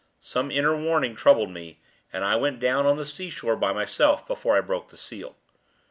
Some inner warning troubled me, and I went down on the sea shore by myself before I broke the seal.